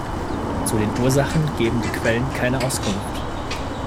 Zu den Ursachen geben die Quellen keine Auskunft.